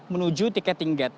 menuju ticketing gate